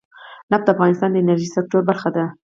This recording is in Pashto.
نفت د افغانستان د انرژۍ سکتور برخه ده.